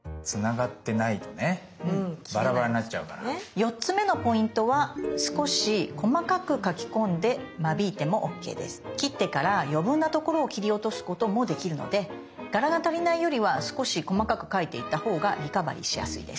４つ目のポイントは切ってから余分なところを切り落とすこともできるので柄が足りないよりは少し細かく描いていったほうがリカバリーしやすいです。